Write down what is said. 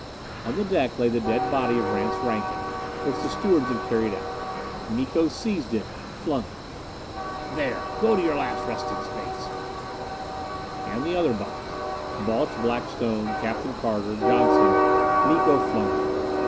On the deck lay the dead body of Rance Rankin, which the stewards had carried out. Miko seized it, flung it. "There! Go to your last resting place!" And the other bodies. Balch Blackstone, Captain Carter, Johnson Miko flung them.